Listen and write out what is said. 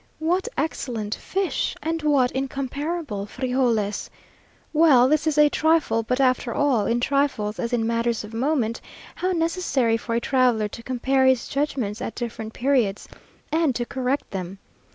What excellent fish! and what incomparable frijoles! Well, this is a trifle; but after all, in trifles as in matters of moment, how necessary for a traveller to compare his judgments at different periods, and to correct them!